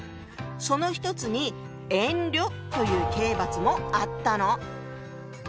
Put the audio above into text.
その一つに「遠慮」という刑罰もあったの！